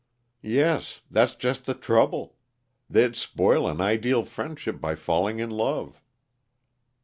"Yes. That's just the trouble. They'd spoil an ideal friendship by falling in love."